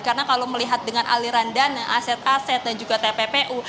karena kalau melihat dengan aliran dana aset aset dan juga tppu